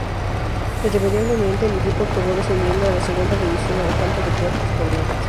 Irremediablemente, el equipo acabó descendiendo a la Segunda División a falta de cuatro jornadas.